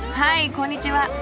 こんにちは。